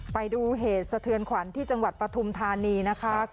ไปดูเหตุสะเทือนขวัญที่จังหวัดปฐุมธานีนะคะ